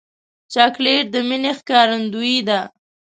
چاکلېټ د مینې ښکارندویي ده.